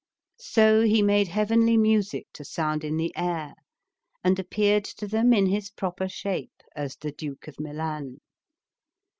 So he made heavenly music to sound in the air, and appeared to them in his proper shape as the Duke of Milan.